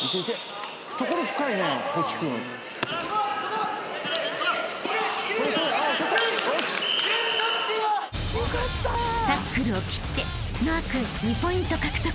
［タックルを切って和青君２ポイント獲得］